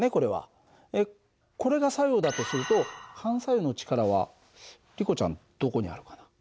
これが作用だとすると反作用の力はリコちゃんどこにあるかな？